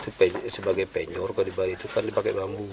itu sebagai penyor kalau dibandingkan itu kan dipakai bambu